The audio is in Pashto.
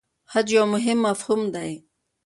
خج یو مهم مفهوم دی.